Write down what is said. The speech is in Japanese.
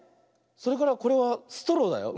それからこれはストローだよ。